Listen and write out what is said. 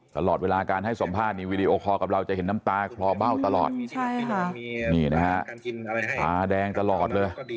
ตลอดเวลาการให้สัมภาษณ์วีดีโอคอกับเราจะเห็นน้ำตาคลอเบ้าตลอด